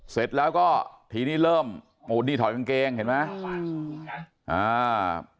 เสร็จแล้วก็ทีนี้เริ่มปูดนี่ถอยกางเกงเห็นไหม